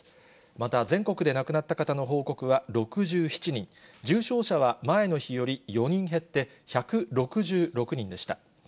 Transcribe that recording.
また全国で亡くなった方の報告は６７人、重症者は前の日より４人減って１６６人でした。